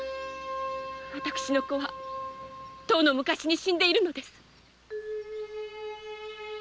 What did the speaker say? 私の子は遠の昔に死んでいるのです。